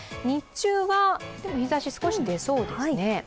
日中は、日差し少し出そうですね。